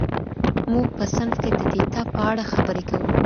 موږ په صنف کي د ډیټا په اړه خبري کوو.